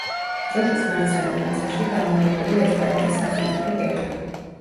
დროშის მარცხენა ნაწილში განლაგებულია ესპანეთის სახელმწიფო გერბი.